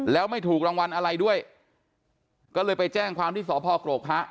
แล้วไม่ถูกรางวัลอะไรด้วยก็เลยไปแจ้งความที่สพกรกพระ